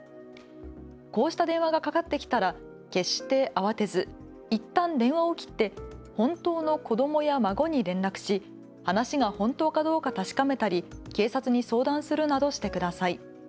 こうした電話がかかってきたら決して慌てずいったん電話を切って本当の子どもや孫に連絡し話が本当かどうか確かめたり警察に相談するなどしてください。